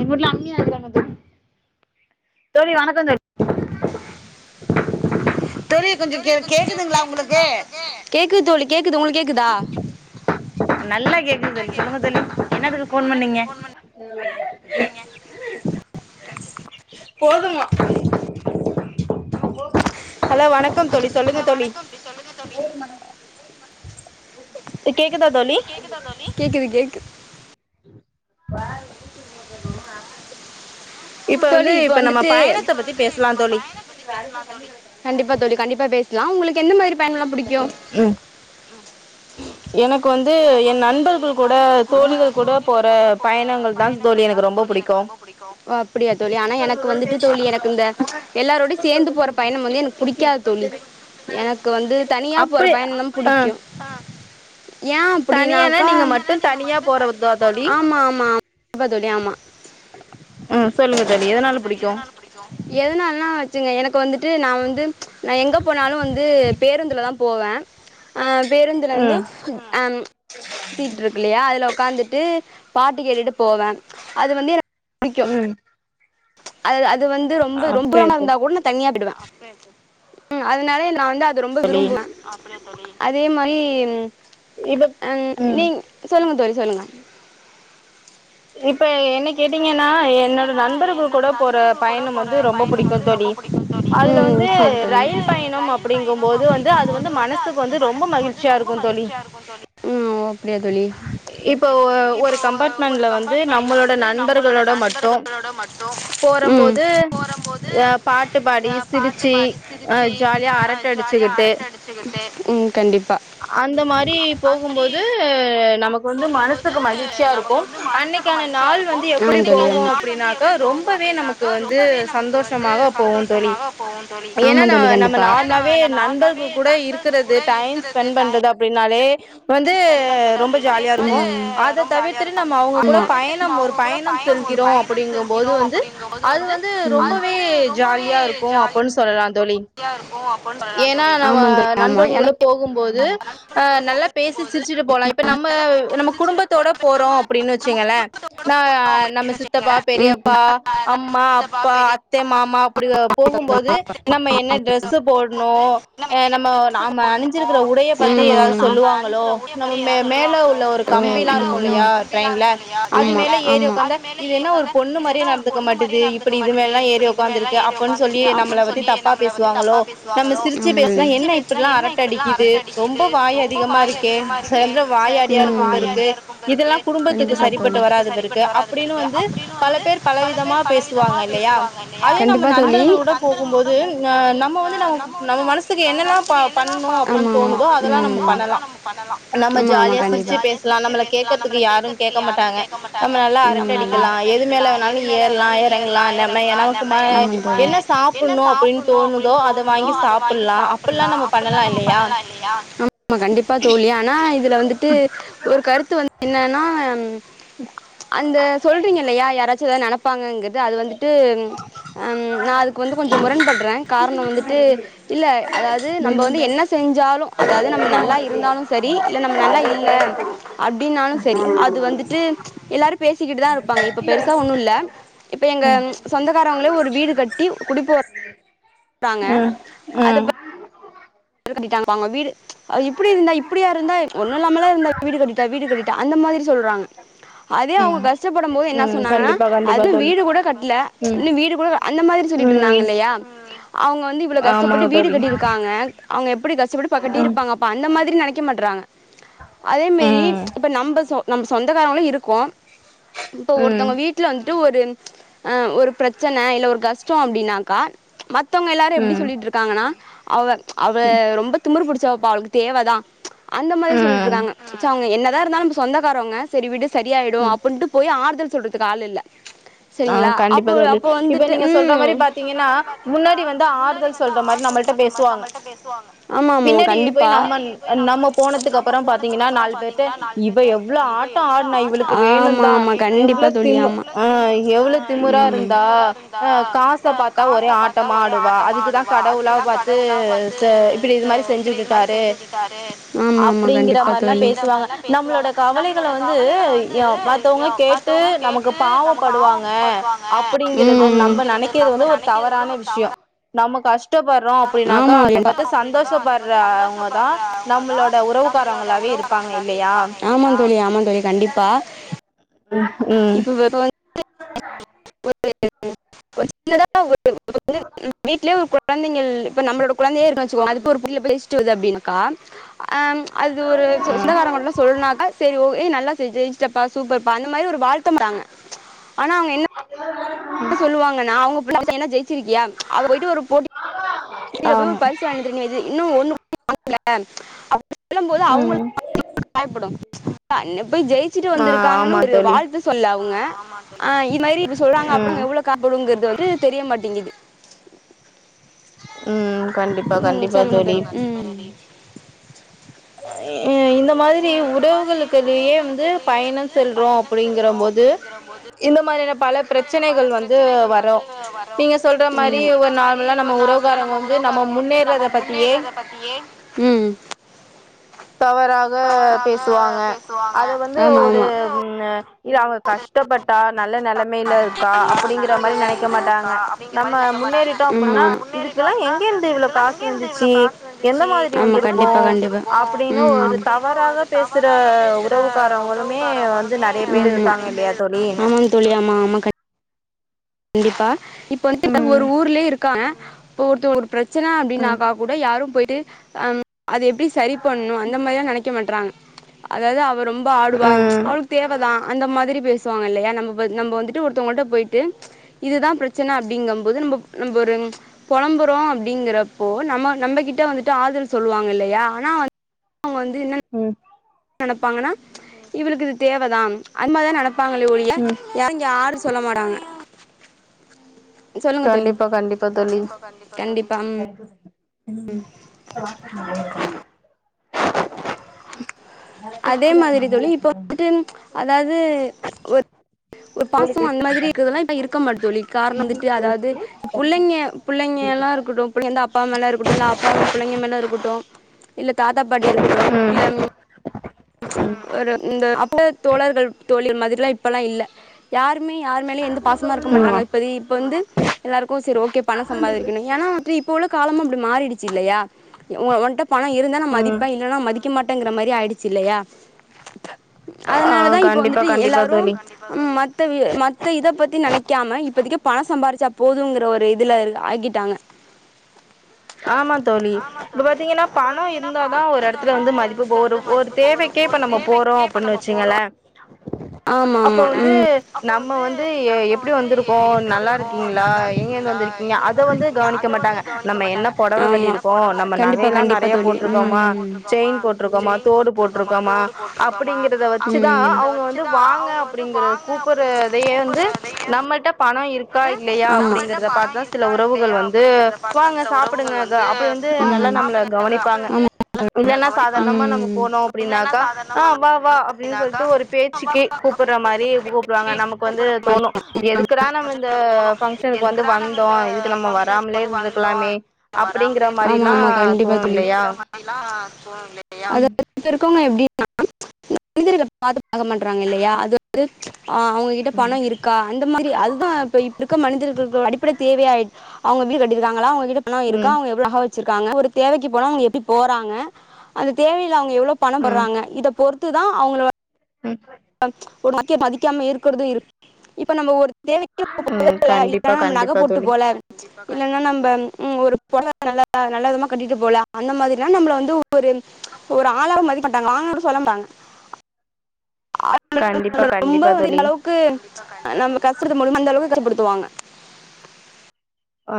எங்க வூட்ல அங்கயா இருக்காங்க தோழி தோழி வணக்கந்தோழி தோழி கொஞ்சோ கே கேக்குதுங்களா உங்களுக்கு நல்லா கேக்குது தோழி சொல்லுங்க தோழி என்னதுக்கு போன் பண்ணீங்க [unintelligible] போதுமா ஹலோ வணக்கம் தோழி சொல்லுங்க தோழி கேக்குதா தோழி கேக்குது கேக்குது [unintelligible] இப்ப வந்து இப்ப நம்ம பயணத்த பத்தி பேசலாந் தோழி லா உங்ளுக்கு எந்த மாதிரி பயணொல்லா புடிக்கு எனக் ஓ அப்டியா தோழி ஆனா எனக்கு வந்துட்டு தோழி எனக்கு இந்த ப்ச் எல்லாரோடையு சேர்ந்து போற பயணம் வந்து எனக் புடிக்காது தோழி எனக்கு வந் இந்து தனியா போற பயணம் புடிக்கு எ அப்டினாக்கா ஆமாமா ஆமா தோழி ஆமா எதனால்னா வெச்சிங்க எனக்கு இப்போ வந்துட்டு நா வந்து ப்ச் நா எங்க போனாலு வந்து பேருந்துலதா போவ அ பேருந்துலருந்து அம் சீட்ருக்கிருக்கு இல்லையா அதுல உக்காந்துட்டு பாட்டு கேட்டுட்டு போவ அது வந்து என புடிக்கு அதது அது அது வந்து ரொம்ப [unintelligible] இருந்தா கூட நா தனியா போய்டுவே ம் அதுனாலயே நா வ து அது ரொம்ப விரும்புவே அ அதே மாரி ன் அன் நீங் சொல்லுங்க தோழி சொல்லுங்க இப்ப என்ன கேட்டீங்கன்னா என்னோட நண்பர்கள் கூட போற பயணம் வந்து ரொம்ப புடிக்கு தோழி அதுல வந்து ரயில் பயணம் அப்படிங்கும் போது வந்து அது வந்து மனசுக்கு வந்து ரொம்ப மகிழ்ச்சியா இருக்குந் தோழி இப்ப ஒ ஒரு கம்பாட்மெண்ட்ல வ து நம்மளோட ட்டுகளோட மட்டு போறம்போது யா பாட்டு பாடி சிரிச்சி அ ஜாலியா அரட்ட அடிச்சிக்கிட்டே அ அந்த மாரி போகும்போது நம க்கு வந்து மனசுக்கு மகிழ்ச்சியா இருக்கும் அன்னிக் க்கான நாள் வந்து எப்டி போகு அப்டின்னாக்கா ரொம்பவே நமக்கு வந்து சந்தோஷமாக போவுந் தோழி ஏனா நா நம்ம நார்ம்லாவே நண்பர்குள் கூட இருக்கிறது டைம் ஸ்பெண் பண்றது அப்டின்னாலே வந்து ரொம்ப ஜாலியாருக்கு அத தவிர்த்துட்டு நம்ம அவுங்க கூடப் பயணம் ஒரு பயணம் செல்கிறோ அப்படிங்கம்போது வந்து அது வந்து ரொம்பவே ஜாலியா இருக்கு அப்புன் சொல்ல தோழி ஏனா நம நண்பர்கள் கூட போகும்போது அ நல்லா பேசி சிரிச்சிட்டே போலா இப்ப நம்மவ் நம்ம குடும்பத்தோட போறோ அப்டின்னு வச் ர நா ஆ நம்ம சித்தப்பா பெரியப்பா அம்மா அப்பா அத்தே மாமா அப்டிவ போகும்போது நம்ம என்ன ட்ரெஸ்ஸு போட்ணு அ நம்ம நாம்ம அணிஞ்சிருக்கிற உடைய பத்தி எதாது சொல்லுவாங்களோ நம்ம மே மேலே உள்ள ஒரு கம்பிலா இருக்கு இல்லையா ட்ரெயின்ல அது மேல ஏறி உக்காந்தா இது என்ன ஒரு பொண்ணு மாரியே நடந்துக்க மாட்டுது இப்பிடி இது மேல்லா ஏறி உக்காந்துருக்கு அப்பன் சொல்லி நம்மள பத்தி தப்பா பேசுவாங்ளோ நம்ம சிரிச்சி பேசுனா என்ன இப்டிலா அரட்ட அடிக்குது ரொம்ப வாய் அதிகமா இருக்கே [unintelligible] வாயாடியே இருக்கும் பெருக்கு இதெல்லா குடும்பத்துக்கு குடும்பத்துக்கு சரிப்பட்டு வராது பெருக்கு அப்படினு வந்து பல பேர் பல விதமா பேசுவாங்க இல்லையா [inaudible] போகும்போது ந நம்ம வந்து நமக்கு நம்ம மனசுக்கு என்னெல்லா ப பண்ணு அப்டின் தோணுதோ அதெல்லா நம்ம பண்ணலா நம்ம ஜாலியா சிருச்சு பேசலா நம்மள கேட்கறதுக்கு யாரு க்க மாட்டாங்க நம்ம நல்லா அரட்ட அடிக்கலா எது மேல வேணாலு ஏற்லா எறங்கலா நம்ம [unintelligible] என்ன சா என்ன சாப்புன்னு அப்டின் தோணுதோ அத வாங்கி சாப்பில்லா அப்பல்லா நம்ம பண்ணலா இல்லையா நா எம் அந்த சொல்றீங்கல்லையா யாரா ச்சு எதா நெனப்பாங்கங்குர் து வந்துட்டு ம் அம் நா அது வந்து கொஞ்சம் முரண்படுறேன் கா காரணம் வந்துட்டு இல்ல அதாது நம்ம வந்து என்ன செஞ்சாலு அதாவது நம்ம நல்லா இருந்தாலு செரி இல்ல நம்ம நல்லா இல்லை அப்படின்னாலும் செரி அது வந்துட்டு எல்லாரும் பேசிக்கிட்டு தான் இருப் இருப்பாங்க இப்ப பெருசா ஒன்னும் இல்ல இப்ப எங்க சொந்தக்காரவங்களே ஒரு வீடு கட்டி போ போறாங்க அத பத் இது பண்ணிடாங்க அவுங்க வீடு இப்படி இருந்தா இப்படியா இருந்தா ஒன்னும் இல்லாமலல்லா இருந்தா வீடு கட்டிட்டா வீடு கட்டிட்டா அந்த மாதிரி சொல்றாங்க அதே அவங்க கஷ்டப்படும் போது என்ன சொன்னாங்கன்னா அது வீடு கூட கட்டல இன்னும் வீடு கூட அந்த மாதிரி சொல்லிட்டு இருந்தாங்கல்லையா அவங்க வந்து இவ்வளவு கஷ்டப்பட்டு வீடு கட்டிருக்காங்க அவங்க எப்படி கஷ்டப்பட்டு பா கட்டிருப்பாக அப்ப அந்த மாதிரி நெனைக் நிக்க மாட்றாங்க அதே மாரி இப்ப நம்ப சொ நம்ம சொந்தக்காரங்கள இருப் கோம் இப்போ ஒருத்தவங்க வீட்டுல வந்து ஒரு அ ஒரு பிரச்சன இல்ல ஒரு கஷ்டம் அப்படின்னாக்கா மத் மத்தவங்க எல்லாரு எப்படி சொல்லிட்டு இருக்காங்கன்னா அவன் அவ ரொம்ப திமிரு புடிச்சாவப்பா அவளுக் தேவதா ம்ச் அந்த மாதிரி சொல்லிட்டு இருக்காங்க ச்ச அங்க என்ன என்ன இருந்தாலும் நம்ம சொந்தக்காரவங்க செரி வீடு செரி ஆயிடோ அப்டின்ட்டு போய் ஆறுதல் சொல்றது து ஆல் இல்ல ஆஹ் கண்டிப்பா தோழி இப்ப நீங்க சொல்ற மாரி பாத்தீங்கன்னா முன்னாடி வந்து ஆறுதல் சொல்ற மாரி நம்மள்ட்ட பேசுவாங் ஆமாமா கண்டிப்பா ஆமாமா கண்டிப்பா தோழி ஆமா எவ்ளோ திமிரா இருந்தா அஹ் காச பாத்தா ஒரே ஆட்டமா ஆடுவா அதுக்குதா கடவுளா பாத்து வந்து ச இப்படி இதுமாரி செஞ்சி விட்டுடாரு ஆமாமா கண்டிப்பா தோழி அப்படிங்கற மாரில பேசுவாங்க நம்மளோட கவலைகள வந்து ய மத்தவங்க கேட்டு நமக் படுவாங்க அப்படிங்கறது நம்ம நெனைக்கிறது வந்து ஒரு தவறான விஷயோ நம் நம்ம கஷ் ஆமாம் ஆமா தோழி ஆமா தோழி கண்டிப்பா உம் உம் சொல்லுங்க [inaudible] [inaudible] வீட்லயே ஒரு குழந்தைகள் இப்ப நம்மளோட குழந்தையே இருக்காங்க வெச்சுகோங்களே அதுக்கு ஒரு புள்ள பேசிட்டு வருது அப்படின்னாக்கா அஹ் அது ஒரு சோ சொந்தகாரங்கள்ல சொல்னாக்கா செரி ஓ ஹே நல்லா ஜெ ஜெய்சிட்டப்பா சூப்பர் பா அந்த மாரி ஒரு வாழ்த்த மாட்டாங்கா ஆனா அவங்க என்ன ன சொல்லுவாங்கன்னா அவுங்க அவளுக்கு என்ன ஜெயிச்சிருக்கியா அவ போயிட்டு ஒரு போட்டி ல போயி ஒரு பரிசு வாங்கினு வெச் இன்னு ஒன்னு வாங்களா அப் டி சொல்லும்போது அவங்களுக்கு காயப்படும் [unintelligible] போய் ஜெயிச்சுட்டு வந்திருக்காங்கன்னு ஒரு வாழ்த்து சொல்ல அவங்க ஆமா ஆஹ் இது மாரி இப்ப சொல்றாங்க அப்டின்னு எவ்ளோ காயப்படுங்கிறது வந்து தெரிய மாட்டேங்குது உம் கண்டிப்பா கண்டிப்பா தோழி ஹே இ இந்த மாதிரி உறவுகளுக்குல்லயே வந்து பயணம் செல்றோ அப்படிங்கற போது இந்த மாதிரியான பல பிரச்சனைகள் வந்து வரு நீங்க சொல்ற மாரி ஒரு நார்மலா நம்ம உறவுகாரங்க வந்து நம்ம முன்னேறத பத்தியே தவறாக பேசுவாங்க அத வந்து ஒரு உம் இது அவங்க கஷ்டப்பட்டா நல்ல நெலைமைல இருக்கா அப்படிங்கற மாரி நெனைக்க மாட்டாங்க நம்ம முன்னேறிட்டோ அப்படின்னா இதுக்கெல்லா எங்க இருந்து இவ்ளோ காசு வந்துச்சு எந்த மாதிரி வந்திருக்கு அப்படின்னு ஒரு தவறாக பேசுற உறவுக்காரவங்களுமே வந்து நிறைய பேர் இருக்காங்க ஆமாங் தோழி ஆமா ஆமா கண் கண்டிப்பா இப்ப வந்து ஒரு ஊர்லயே இருக்காங்க இப்ப ஒருத்தவ ஒரு பிரச் ச்சனை அப்படின்னாக்கா கூட யாரும் போய் ஆம் அது எப்டி சரி பண்ணு அந்த மாரிலா நெனைக்க மாட்றாங்க அதாவது அவ ரொம்ப ஆடுவாங்க அவளுக்கு தேவதான் அந்த மாதிரி பேசுவாங்க இல்லையா நம்ம நம்ம வந்துட்டு ஒருத்தவங்க கிட்ட போய்ட்டு இதுதான் பிரச்சன அப்படிங்க போது நம்ம நம்ம ஒரு புழம்புறோம் அப்படிங்கறப்போ நம்ம நம்ம கிட்ட வந்துட்டு ஆறுதல் சொல்லுவாங்க இல்லையா ஆனா வந்து அவங்க வந்து என்ன நெனபாங்கன்னா இவளுக்கு இது தேவைதான் அது மா தான் நென ப்பாங்களே ஒழிய எறங்கி அருதல் சொல்ல மாட்டாங்க சொல்லுங்க தோழி கண்டிப்பா‌ ம் உம் [unintelligible] அதே மாதிரி தோழி இப்ப வந்து அதாவது ஒரு ஒரு பாசோ அந்த மாதிரி இருக்கதெல்லா இப்ப இருக்குமா தோழி காரணம் வந்துட்டு அதாவது புள்ளைங்க புள்ளைங்கெல்லா இருக்கட்டு புள்ளைங்க அப்பா மேல இருக்கட்டு இல்ல அப்பா அம்மா புள்ளைங்க மேல இருக்கட்டு இல்ல தாத்தா பாட்டி இருக்கட்டு இல்ல ஒரு இந்த அப்ப தோழர்கள் தோழி இந்த மாதிரிலாம் இப்பல்லாம் இல்ல யாரு உண்மையாரு மேலே எந்து பாசமா இருக்க மாட்டறாங்க இப்ப இப்ப வந்து எல்லாருக்கும் சரி ஓகே பணம் சம்பாதிக்கணும் ஏன்னா வந்துட்டு இப்ப உள்ள காலமும் அப்படி மாறிடுச்சு இல்லையா ஒ ஒண்ட பண இருந்தா நா மதிப்பே இல்லனா மதிக் கி மட்டங்கற மாரி ஆயிடுச் ச்சிலையா அதனாலதா இப்ப வந்துட்டு எல்லாரு மத்த மத்த இதப் பத்தி நெனைக்காம இப்பதைக்கி காசு சம்பாரிச்சா போதுன்ங்கிற ஒரு இதுல ஆகிட்டாங்க ஆமா தோழி இப்ப பாத்தீங்கன்னா பணம் இருந்தாதா ஒரு எடத்துல வந்து மதிப்பு போரு போ தேவைக்கே இப்ப நம்ம போறோ அப்படின்னு வச்சுக்கங்களே அப்போ வந்து நம்ம வந்து எ எப்படி வந்துருக்கோ நல்லா இருக்கீங்களா எங்கந்து வந்திருக்கீங்கா அத வந்து கவனிக்க மாட்டாங்க நம்ம என்ன பொடவ கட்டிருப்போ நம்ம நகயெல்லா நறைய போட்ருக்கோமா செயின் போட்ருக்கோமா தோடு போட்ருக்கோமா அப்டிங்கறத வெச்சுதா அவுங்க வாங்க அப்டிங்கற கூப்பட்றதயே வந்து நம்மட்ட பணொ இருக் இருக்கா இல்லையா அப்டிங்கறத பாத்துதா சில உறவுகள் வந்து வாங்க சாப்டுங்கக்கா அப்டி வந்து நல்லா நம்மள கவனிப்பாங்க இல்லன்னா சாதாரணமா நம்ம போனோ அப்டின்னாக்கா ஆ வா வா அப்டின்னு சொல்லிட்டு ஒரு பேச்சிக்கி கூப்டுற மாரி கூப்டுவாங்க நமக்கு வந்து தோணு எதுக்குடா நம்ம இந்த பங்க்ஷனுக்கு வந்து வந்தோ இதுக்கு நம்ம வராமலே இருந்திருக்கலாமே ஆமா ஆமா கண்டிப்பா தோழி ஆ [unintelligible] இருக்கவுங்க எப்டின்னா மனிதர்கள பாத்து பழக மாட்றாங்க இல்லையா அது வந்து ஆ அவுங்ககிட்ட பணோ இருக்கா அந்த மாதிரி அது ஆ இப்ப இப்ப இருக்க மனிதர்களுக்கு அடிப்படை தேவையாயி அவுங்க வீடு கட்டிருக்காங்களா அவுங்க கிட் பணணோ இருக்க அவங்க எவளோ நக வச்சிருக் காங்க ஒரு தேவைக்கு போன அவங்க எப்படி போறாங்க அந்த தேவ அவுங்க எவ்ளோ பணம் படுறாங்க இத பொறுத் து தா அவங்கள வந் ம் [inaudible] ஒரு மதிக்காம இருக்கிறது இருக் இப்ப நம்ம ஒரு தேவைக்கி நம்ம நக போட்டு போல இல்லன்னா நம்ம நக போட்டு போல இல்லன்னா நம்ப ம் ஒரு பொக நல்ல நல்ல விதமா கட்டிட்டு போலா அந்த மாதிரிலா நம்மள வந்து ஒரு ஒரு ஆளாவு மதிக்க மாட்டாங்க வாங்கன்னு கூட சொல்ல மாட்டாங்க [inaudible] ரொம்ப வந்து இந்த அளவுக்கு நம்ம கஷ்ட படுத்த முடியுமோ அந்த அளவுக்கு கஷ்ட படுத் துவாங்க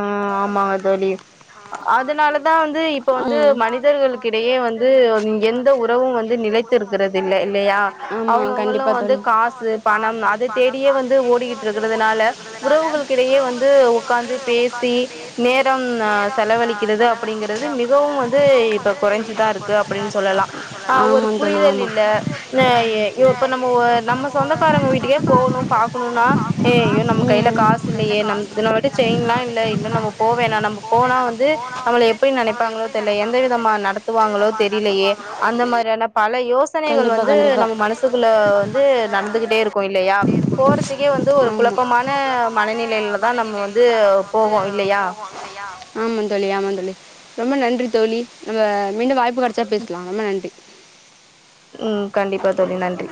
ஆ ஆமா தோழி அதனாலதா வந்து இப்ப வந்து மனிதர்களுக்கிடையே வந்து எந்த உறவு வந்து நிலைத்து இருக்கிறது இல்ல இல்லையா அவுங்கவுங்களு வந்து காசு பணம் அதை தேடியே வந்து ஓடிக்கிட்டு இருக்கறதுனால உறவுகளுக்கிடையே வந்து ஒக்காந்து பேசி நேரம் நா செலவழிக்கிறது அப்டிங்கிறது மிகவு வந்து இப்ப கொறஞ்சிதா இருக்கு அப்டின்னு சொல்லலா ஆ ஒரு புரிதல் இல்ல நா ஐயோ இப்ப நம்ம ஓ நம்ம சொந்தக்காரங்க வீட்டுக்கே போகணு பாக்கணுன்னா அய்யயோ நம்ம கைல காசு இல்லயே நம்மதுக்கு நம்மல்ட்ட செயின்லா இல்ல இன்னு நம்ம போ வேணா நம்ப போனா வந்து நம்மள எப்படி நினைப்பாங்களோ தெரியலையே எந்த விதமா நடத்துவாங்களோ தெரியலையே அந்த மாதிரியான பல யோசனைகள் வந்து நம்ம மனசுக்குள்ள வந்து நடந்துகிட்டே இருக்கு இல்லையா போறதுக்கே வந்து ஒரு குழப்பமான மனநிலையில தா நம்ம வந்து ஆமாந்தோழி ஆமாந்தோழி. ரொம்ப நன்றி தோழி நம்ம மீண்டும் வாய்ப்பு கெடைச்சா பேசலா ரொம்ப நன்றி. உம் கண்டிப்பா தோழி நன்றி.